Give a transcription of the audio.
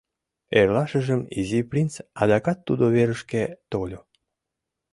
Эрлашыжым Изи принц адакат тудо верышке тольо.